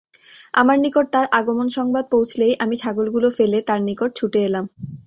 আমার নিকট তার আগমন সংবাদ পৌঁছলেই আমি ছাগলগুলো ফেলে তার নিকট ছুটে এলাম।